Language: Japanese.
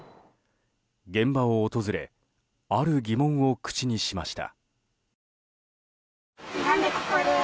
現場を訪れある疑問を口にしました。